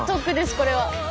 これは！